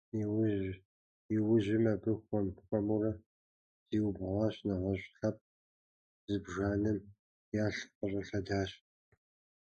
Иужьым абы хуэм-хуэмурэ зиубгъуащ, нэгъуэщӏ лъэпкъ зыбжанэм ялъ къыщӏэлъэдащ.